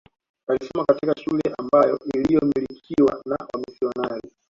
Alisoma katika shule ambayo iliyomilikiwa na wamisionari